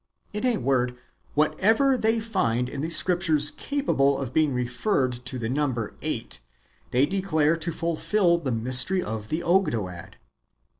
In a word, whatever they find in the Scriptures capable of being referred to the number eiglit, they declare to fulfil the mys tery of the Ogdoad.